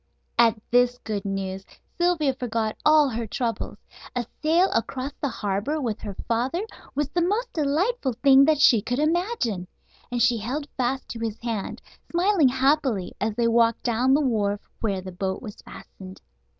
At this good news Sylvia forgot all her troubles. A sail across the harbor with her father was the most delightful thing that she could imagine. And she held fast to his hand, smiling happily, as they walked down the wharf where the boat was fastened.